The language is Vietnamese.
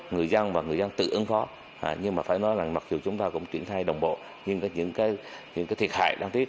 người dân và người dân tự ứng phó nhưng mà phải nói là mặc dù chúng ta cũng chuyển thay đồng bộ nhưng có những cái thiệt hại đáng tiếc